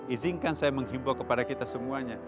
izingkan saya menghibur kepada kita semuanya